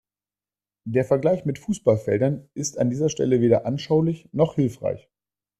Der Vergleich mit Fußballfeldern ist an dieser Stelle weder anschaulich noch hilfreich.